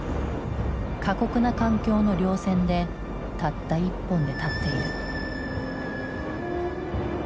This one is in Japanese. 過酷な環境の稜線でたった１本で立っている。